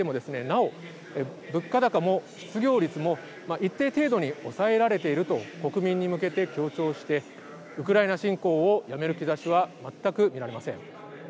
なお物価高も失業率も一定程度に抑えられていると国民に向けて強調してウクライナ侵攻をやめる兆しは全く見られません。